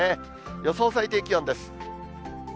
予想最低気温です。